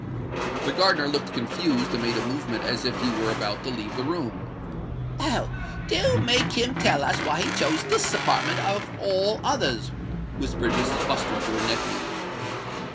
The gardener looked confused, and made a movement as if he were about to leave the room. "Oh! do make him tell us why he chose this apartment of all others!" whispered Mrs. Bustard to her nephew.